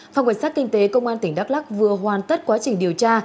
phòng cảnh sát kinh tế công an tỉnh đắk lắc vừa hoàn tất quá trình điều tra